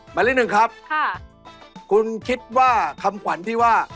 หมายเลขหนึ่งครับคุณคิดว่าคำขวัญที่ว่า